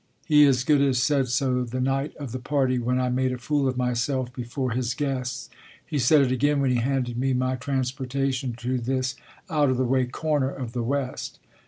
He as good as said so the night of the party when I made a fool of myself before his guests. He said it again when he handed me my transportation to this out of the way corner of the West.